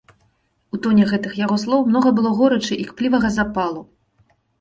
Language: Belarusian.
У тоне гэтых яго слоў многа было горычы і кплівага запалу.